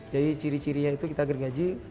jadi ciri cirinya itu kita gergaji